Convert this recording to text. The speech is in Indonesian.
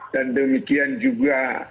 dan demikian juga